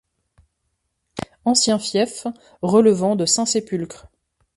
Ancien fief relevant de Saint-Sépulcre.